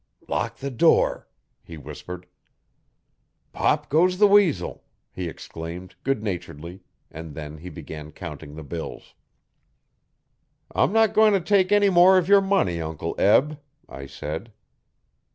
'Lock the door,' he whispered. 'Pop goes the weasel!' he exclaimed, good naturedly, and then he began counting the bills. 'I'm not going to take any more of your money, Uncle Eb,' I said.